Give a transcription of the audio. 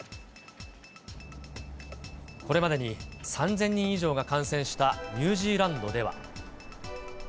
これまでに３０００人以上が感染したニュージーランドでは。